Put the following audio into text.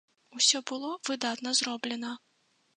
Усё было выдатна зроблена.